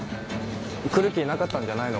来る気なかったんじゃないの？